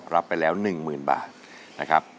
รับไปแล้วหนึ่งหมื่นบาทนะครับ